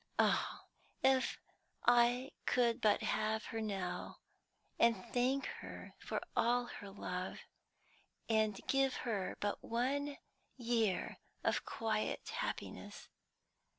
Oh, if I could but have her now, and thank her for all her love, and give her but one year of quiet happiness.